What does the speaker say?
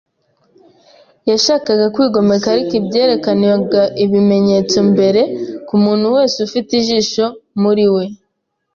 yashakaga kwigomeka ariko ibyerekanaga ibimenyetso mbere, kumuntu wese ufite ijisho muri we